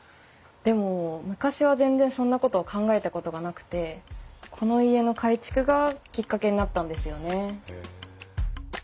でも昔は全然そんなことを考えたことがなくてこの家の改築がきっかけになったんですよね。